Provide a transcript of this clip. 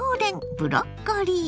ブロッコリー。